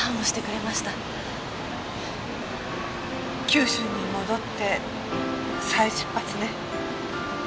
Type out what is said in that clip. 九州に戻って再出発ね。